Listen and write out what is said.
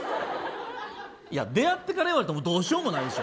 いや、出会ってから言われたらどうしようもないでしょ。